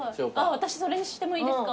私それにしてもいいですか？